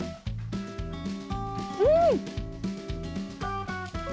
うん！